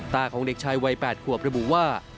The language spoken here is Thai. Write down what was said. ของเด็กชายวัย๘ขวบระบุว่า